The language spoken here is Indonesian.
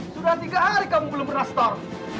sudah tiga hari kamu belum berastor